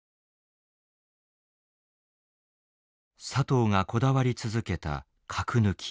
佐藤がこだわり続けた「核抜き」。